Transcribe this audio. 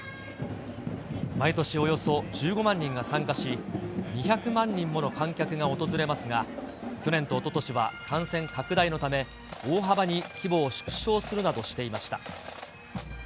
毎年およそ１５万人が参加し、２００万人もの観客が訪れますが、去年とおととしは感染拡大のため、大幅に規模を縮小するなどしていました。